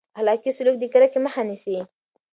اخلاقي سلوک د کرکې مخه نیسي.